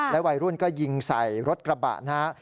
วัยรุ่นก็ยิงใส่รถกระบะนะฮะ